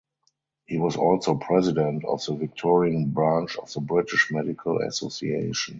He was also president of the Victorian branch of the British Medical Association.